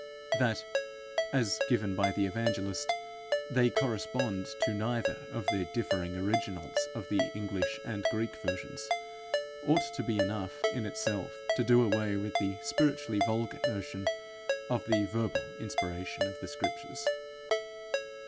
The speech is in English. That, as given by the evangelist, they correspond to neither of the differing originals of the English and Greek versions, ought to be enough in itself to do away with the spiritually vulgar notion of the verbal inspiration of the Scriptures.